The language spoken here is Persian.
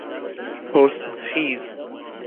حسن خیز